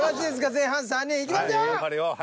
前半３人いきますよ。